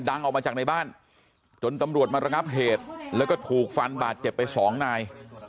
ออกมาจากในบ้านจนตำรวจมาระงับเหตุแล้วก็ถูกฟันบาดเจ็บไปสองนาย